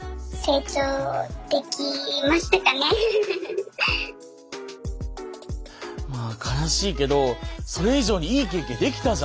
でも悲しいけどそれ以上にいい経験できたじゃん。